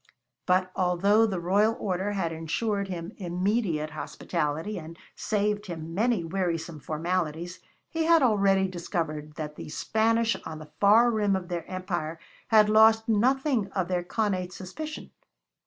But although the royal order had insured him immediate hospitality and saved him many wearisome formalities, he had already discovered that the Spanish on the far rim of their empire had lost nothing of their connate suspicion.